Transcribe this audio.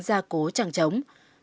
gia cố trăng chống